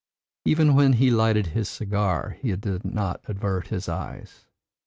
Even when he lighted his cigar he did not avert his eyes.